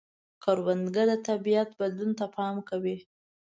کروندګر د طبیعت بدلون ته پام کوي